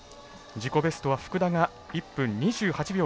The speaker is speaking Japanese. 自己ベストは福田が１分２８秒５２。